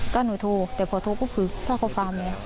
ก็หนูโทแต่พอโทก็คือพ่อฟาร์มนี้